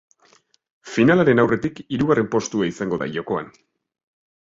Finalaren aurretik hirugarren postua izango da jokoan.